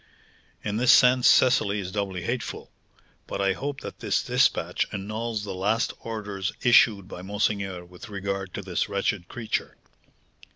"In this sense Cecily is doubly hateful. But I hope that this despatch annuls the last orders issued by monseigneur with regard to this wretched creature."